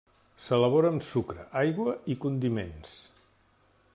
S'elabora amb sucre, aigua i condiments.